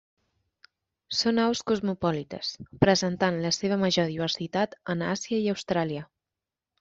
Són aus cosmopolites, presentant la seva major diversitat en Àsia i Austràlia.